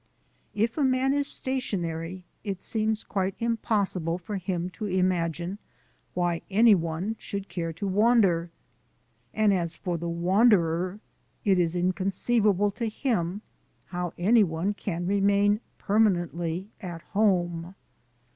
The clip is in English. If a man is stationary, it seems quite impossible for him to imagine why any one should care to wander; and as for the wanderer it is inconceivable to him how any one can remain permanently at home.